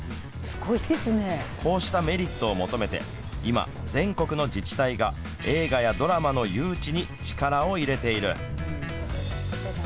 こうしたメリットを求めて今、全国の自治体が映画やドラマの誘致に力を入れている。